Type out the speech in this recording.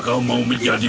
kau tak mau